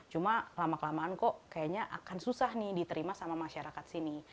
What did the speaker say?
cuma lama kelamaan kok kayaknya akan susah nih diterima sama masyarakat sini